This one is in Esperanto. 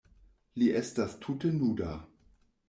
Li estas tute nuda.